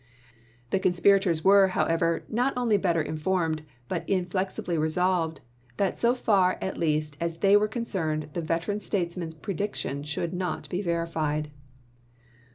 The conspirators were, however, not only better in formed, but inflexibly resolved that so far at least as they were concerned the veteran statesman's prediction should not be verified.